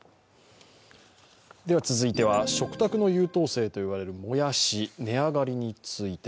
続いては、食卓の優等生といわれるもやし、値上がりについて。